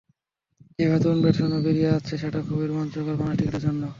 যেভাবে তরুণ ব্যাটসম্যান বেরিয়ে আসছে, সেটা খুবই রোমাঞ্চকর বাংলাদেশের ক্রিকেটের জন্য।